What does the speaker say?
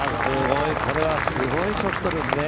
すごいショットですね。